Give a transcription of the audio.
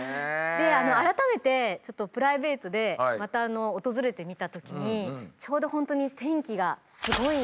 で改めてちょっとプライベートでまた訪れてみた時にちょうどほんとに天気がすごい。